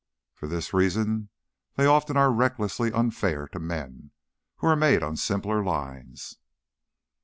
For this reason they often are recklessly unfair to men, who are made on simpler lines.